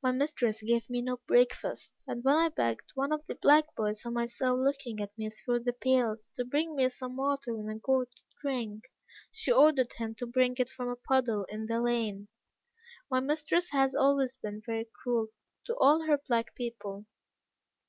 My mistress gave me no breakfast, and when I begged one of the black boys whom I saw looking at me through the pales, to bring me some water in a gourd to drink, she ordered him to bring it from a puddle in the lane. My mistress has always been very cruel to all her black people.